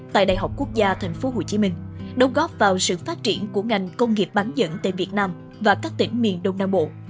tại đại học quốc gia tp hcm đồng góp vào sự phát triển của ngành công nghiệp bán dẫn tại việt nam và các tỉnh miền đông nam bộ